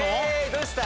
どうした？